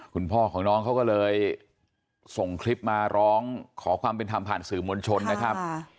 คุณพ่อของน้องเขาก็เลยส่งคลิปมาร้องขอความเป็นธรรมผ่านสื่อมวลชนนะครับ